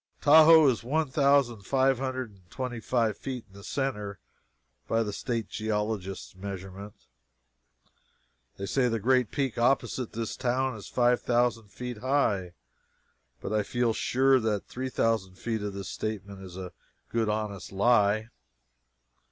Tahoe is one thousand five hundred and twenty five feet deep in the centre, by the state geologist's measurement. They say the great peak opposite this town is five thousand feet high: but I feel sure that three thousand feet of that statement is a good honest lie.